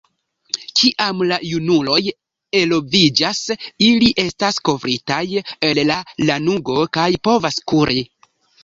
Kiam la junuloj eloviĝas, ili estas kovritaj el lanugo kaj povas kuri.